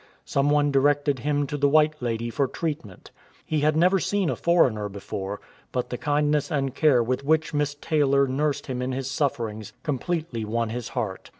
Some one directed him to the white lady for treatment. He had never seen a foreigner before, but the kindness and care with which Miss Taylor nursed him in his sufferings completely won his heart.